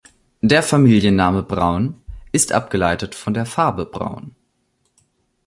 Der Familienname Braun ist abgeleitet von der Farbe Braun.